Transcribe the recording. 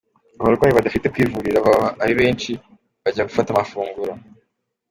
Abarwayi badafite kivurira baba ari benshi bajya gufata amafunguro.